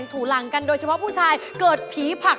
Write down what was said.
ง่ายหน้าแปปปาก